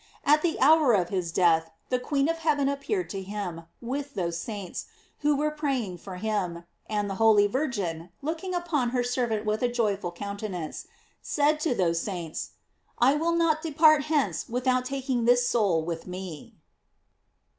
At the hour of his death the queen of heaven appeared to him, with those saints, who were praying for him, and the holy Virgin, looking upon her ser vant with a joyful countenance, said to those saints : "I will not depart hence without taking this soul with me."